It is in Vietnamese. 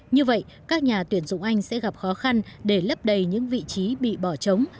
như vậy các nhà tuyển dụng anh sẽ gặp khó khăn để lấp đầy những vị trí bị bỏ trống